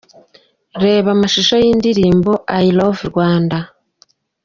Reba amashusho y'indirimbo 'I love Rwanda'.